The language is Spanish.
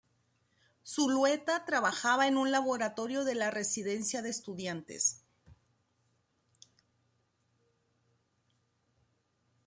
Zulueta trabajaba en un laboratorio de la Residencia de Estudiantes.